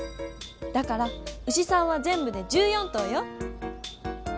だから牛さんはぜんぶで１４頭よ。